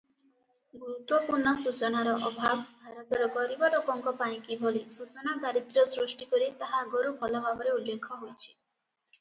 ଗୁରୁତ୍ୱପୂର୍ଣ୍ଣ ସୂଚନାର ଅଭାବ ଭାରତର ଗରିବ ଲୋକଙ୍କ ପାଇଁ କିଭଳି “ସୂଚନା ଦାରିଦ୍ର୍ୟ” ସୃଷ୍ଟି କରେ ତାହା ଆଗରୁ ଭଲ ଭାବରେ ଉଲ୍ଲେଖ ହୋଇଛି ।